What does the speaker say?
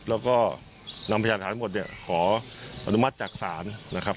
แล้วก็ร่วมพยานฐานทั้งหมดขออนุมัติจักษานะครับ